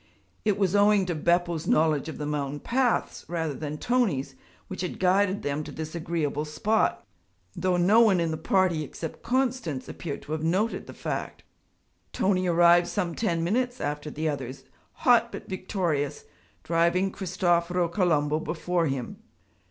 It was owing to Beppo's knowledge of the mountain paths rather than Tony's which had guided them to this agreeable spot; though no one in the party except Constance appeared to have noted the fact. Tony arrived some ten minutes after the others, hot but victorious, driving Cristoforo Colombo before him.